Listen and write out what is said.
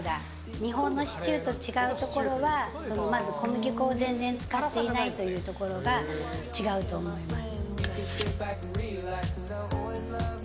日本のシチューと違うところはまず小麦粉を全然使っていないところが違うと思います。